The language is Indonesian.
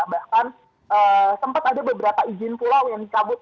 bahkan sempat ada beberapa izin pulau yang dicabut